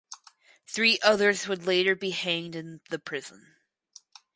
Three others would later be hanged in the prison.